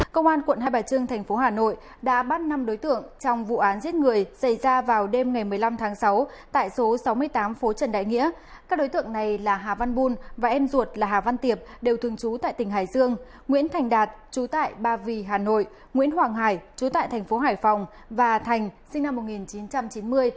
các bạn hãy đăng ký kênh để ủng hộ kênh của chúng mình nhé